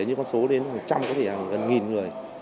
nhưng con số đến hàng trăm có thể là gần nghìn người